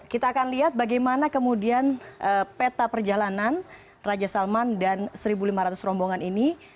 kita akan lihat bagaimana kemudian peta perjalanan raja salman dan satu lima ratus rombongan ini